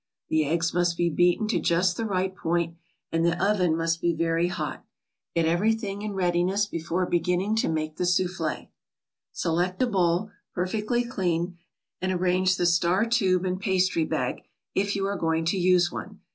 The eggs must be beaten to just the right point and the oven must be very hot. Get everything in readiness before beginning to make the souffle. Select a bowl, perfectly clean, and arrange the star tube and pastry bag, if you are going to use one.